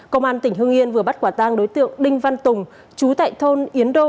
công an tỉnh hương yên vừa bắt quả tang đối tượng đinh văn tùng chú tại thôn yến đô